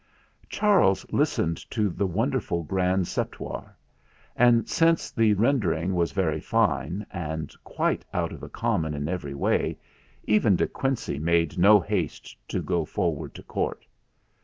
Charles listened to the wonderful Grand Septuor; and since the rendering was very fine and quite out of the common in every way, even De Quincey made no haste to go forward to Court.